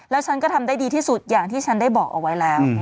แล้วฉันก็ทำได้ดีที่สุดอย่างที่ฉันได้บอกเอาไว้แล้ว